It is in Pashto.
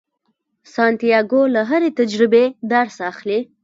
سانتیاګو له هرې تجربې درس اخلي.